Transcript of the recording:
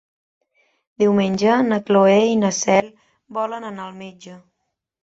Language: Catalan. Diumenge na Cloè i na Cel volen anar al metge.